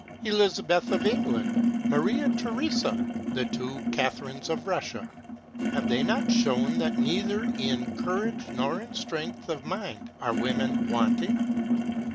Elizabeth of England, Maria Theresa, the two Catherines of Russia have they not shown that neither in courage nor in strength of mind are women wanting?